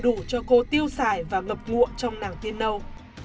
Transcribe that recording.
không thể đủ cho cô tiêu xài và ngập ngụa trong nàng tiên nâu